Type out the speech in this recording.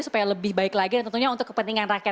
supaya lebih baik lagi dan tentunya untuk kepentingan rakyat